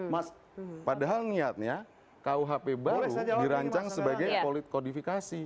mas padahal niatnya kuhp baru dirancang sebagai kodifikasi